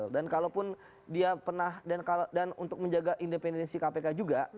dan kalau pun dia pernah dan untuk menjaga independensi kpk juga